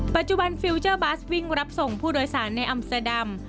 ปัจจุบันฟิลเจอร์บัสวิ่งรับส่งผู้โดยสารในอัมเตอร์ดัม